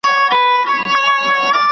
کله به موږ د کتاب قدر وپېژنو؟